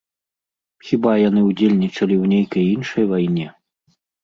Хіба яны ўдзельнічалі ў нейкай іншай вайне?